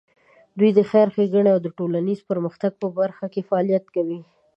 دوی د خیر ښېګڼې او د ټولنیز پرمختګ په برخه کې فعالیت کوي.